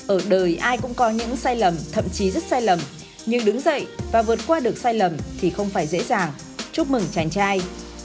ở đời ai cũng có những sai lầm thậm chí rất sai lầm nhưng đứng dậy và vượt qua được sai lầm thì không phải dễ dàng chúc mừng chàng trai